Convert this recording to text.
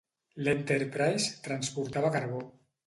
L'"Enterprise" transportava carbó.